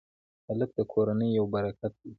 هلک د کورنۍ یو برکت دی.